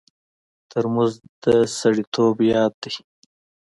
ترموز د سړیتوب یاد دی.